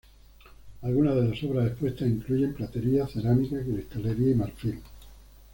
Algunas de las obras expuestas incluyen platería, cerámica, cristalería y marfil.